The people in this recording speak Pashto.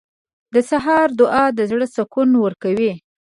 • د سهار دعا د زړه سکون ورکوي.